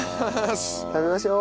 食べましょう。